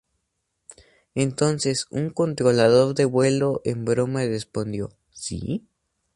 Entonces, un controlador de vuelo en broma respondió "¿Sí?